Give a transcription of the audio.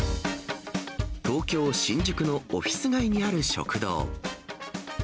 東京・新宿のオフィス街にある食堂。